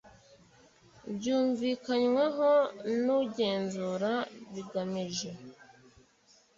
byumvikanyweho n ugenzurwa bigamije